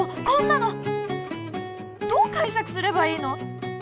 こんなのどう解釈すればいいの？